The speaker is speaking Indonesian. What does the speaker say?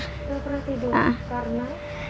enggak pernah tidur karena